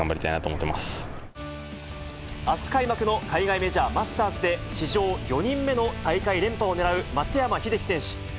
あす開幕の海外メジャー、マスターズで史上４人目の大会連覇を狙う松山英樹選手。